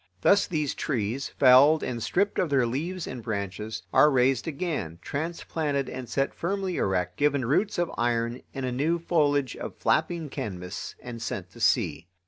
Thus these trees, felled and stripped of their leaves and branches, are raised again, transplanted and set firmly erect, given roots of iron and a new foliage of flapping canvas, and sent to sea.